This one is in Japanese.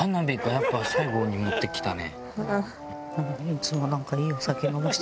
やっぱ最後に持ってきたね。